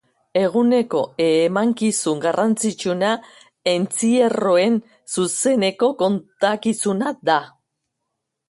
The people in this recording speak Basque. Eguneko emankizunik garrantzitsuena entzierroen zuzeneko kontakizuna da.